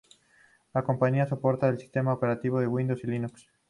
La compañía soporta los sistemas operativos Windows y Linux.